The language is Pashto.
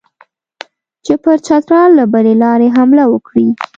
چې پر چترال له بلې لارې حمله وکړي.